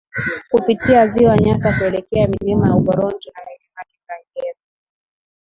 kupitia Ziwa Nyasa kuelekea milima ya Uporoto na milima ya Kipengere